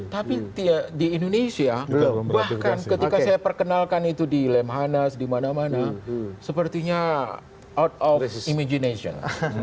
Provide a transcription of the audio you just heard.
tapi di indonesia bahkan ketika saya perkenalkan itu di lemhanas di mana mana sepertinya out of imagination